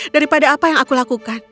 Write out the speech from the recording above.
daripada apa yang aku lakukan